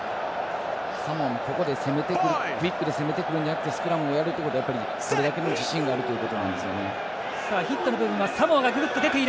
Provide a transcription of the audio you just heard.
サモアもここでクイックで攻めてくるんじゃなくてスクラムをやるっていうことはそれだけの自信があるということですね。